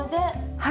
はい。